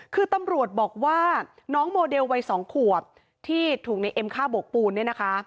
คือตำรวจบอกว่าน้องโมเดลวัย๒ขวบที่ถูกในเอ็มฆ่าบกปูนเนี่ยนะคะ